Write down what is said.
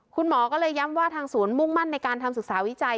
คุณหมอก็เลยย้ำว่าทางศูนย์มุ่งมั่นในการทำศึกษาวิจัย